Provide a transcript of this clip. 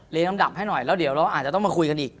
ลำดับให้หน่อยแล้วเดี๋ยวเราอาจจะต้องมาคุยกันอีก